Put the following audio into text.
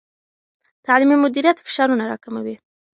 تعلیمي مدیریت فشارونه راکموي.